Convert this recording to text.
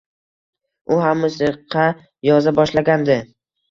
U ham musiqa yoza boshlagandi.